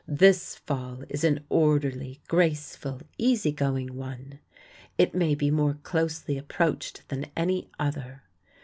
This fall is an orderly, graceful, easy going one. It may be more closely approached than any other.